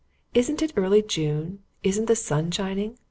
Isn't it early June? Isn't the sun shining?